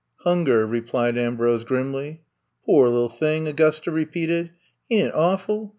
Hunger," replied Ambrose grimly. Pore UP thing!" Augusta repeated. Ain't it awful!